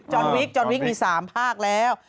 จอร์นวิคจอร์นวิคมี๓ภาคแล้ว